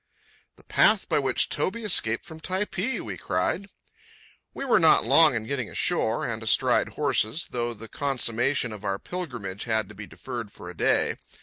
"The path by which Toby escaped from Typee!" we cried. We were not long in getting ashore and astride horses, though the consummation of our pilgrimage had to be deferred for a day.